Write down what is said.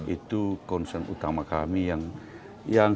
itu concern utama kami yang